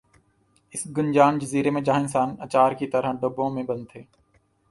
اس گنجان جزیر ے میں جہاں انسان اچار کی طرح ڈبوں میں بند ہے